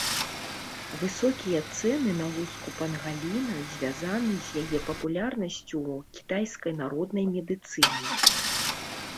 Высокія цэны на луску пангаліна звязаны з яе папулярнасцю ў кітайскай народнай медыцыне.